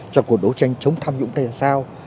cho cuộc đấu tranh chống tham dũng thế sao